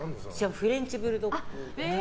フレンチブルドッグ。